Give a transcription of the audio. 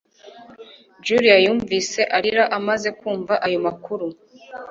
Julia yumvise arira amaze kumva ayo makuru